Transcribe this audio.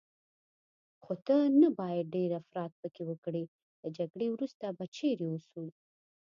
خو ته نه باید ډېر افراط پکې وکړې، له جګړې وروسته به چیرې اوسو؟